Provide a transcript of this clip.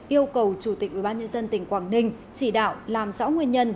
yêu cầu chủ tịch ubnd tỉnh quảng ninh chỉ đạo làm rõ nguyên nhân